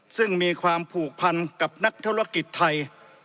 ซึ่งมีความผูกพันกับนักธุรกิจไทย